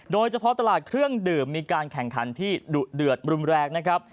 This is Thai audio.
โดยเฉพาะตลาดเครื่องดื่มมีการแข่งขันที่ดุเดือดรุนแรงนะครับ